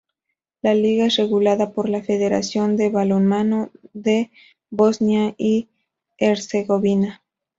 La liga es regulada por la Federación de balonmano de Bosnia y Herzegovina.